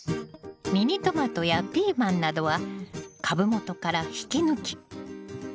ミニトマトやピーマンなどは株元から引き抜き。